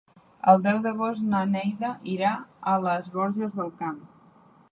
El deu d'agost na Neida irà a les Borges del Camp.